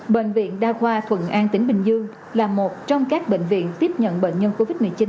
bệnh viện đa khoa thuận an tỉnh bình dương là một trong các bệnh viện tiếp nhận bệnh nhân covid một mươi chín